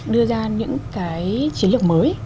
đưa ra những cái chiến lược mới